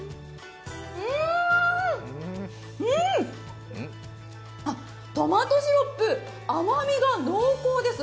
うん、トマトシロップ、甘みが濃厚です。